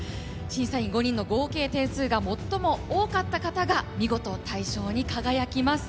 審査員５人の合計点数が最も多かった方が見事大賞に輝きます。